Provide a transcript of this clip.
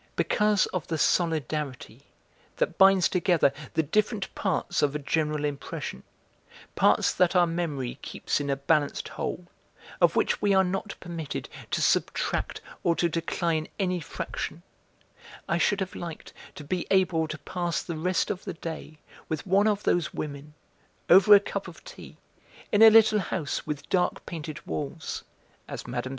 Because of the solidarity that binds together the different parts of a general impression, parts that our memory keeps in a balanced whole, of which we are not permitted to subtract or to decline any fraction, I should have liked to be able to pass the rest of the day with one of those women, over a cup of tea, in a little house with dark painted walls (as Mme.